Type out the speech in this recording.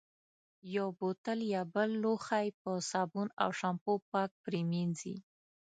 یو بوتل یا بل لوښی په صابون او شامپو پاک پرېمنځي.